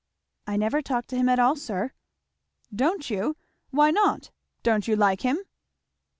"I never talk to him at all, sir." "Don't you? why not? Don't you like him?"